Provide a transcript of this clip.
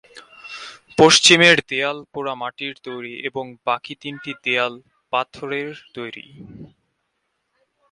পশ্চিমের দেয়াল পোড়া মাটির তৈরি এবং বাকি তিনটি দেয়াল পাথরের তৈরি।